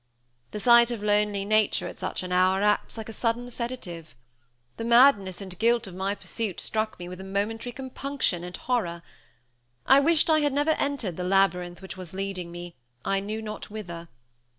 The sight of lonely nature at such an hour, acts like a sudden sedative. The madness and guilt of my pursuit struck me with a momentary compunction and horror. I wished I had never entered the labyrinth which was leading me, I knew not whither.